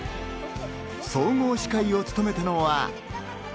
総合司会を務めたのは。